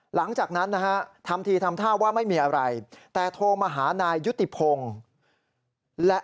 หลังจากนั้นนะฮะทำทีทำท่าว่าไม่มีอะไรแต่โทรมาหานายยุติพงศ์และ